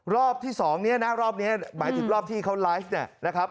รอบที่๒นี้นะรอบนี้หมายถึงรอบที่เขาไลฟ์เนี่ยนะครับ